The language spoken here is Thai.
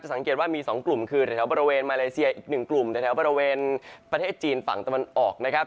สังเกตว่ามี๒กลุ่มคือแถวบริเวณมาเลเซียอีกหนึ่งกลุ่มแถวบริเวณประเทศจีนฝั่งตะวันออกนะครับ